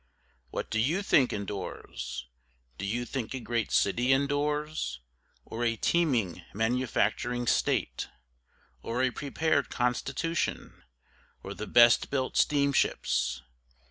What do you think endures? Do you think a great city endures? Or a teeming manufacturing state? or a prepared constitution? or the best built steamships?